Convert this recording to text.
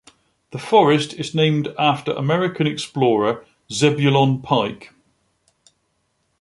The forest is named after American explorer Zebulon Pike.